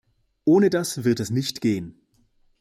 Ohne das wird es nicht gehen!